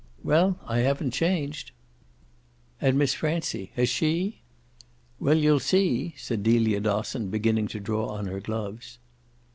"Well, I haven't changed." "And Miss Francie has she?" "Well, you'll see," said Delia Dosson, beginning to draw on her gloves.